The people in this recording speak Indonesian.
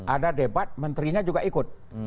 ada debat menterinya juga ikut